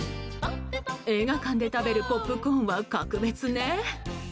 映画館で食べるポップコーンは格別ね。